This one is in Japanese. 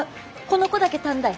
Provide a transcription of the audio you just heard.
この子だけ短大。